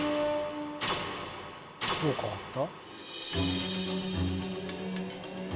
「どう変わった？」